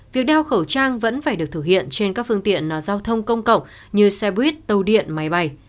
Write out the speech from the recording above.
việc đeo khẩu trang vẫn phải được thực hiện trên các phương tiện giao thông công cộng như xe buýt tàu điện máy bay